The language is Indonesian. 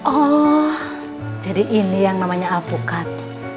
oh jadi ini yang namanya alpukat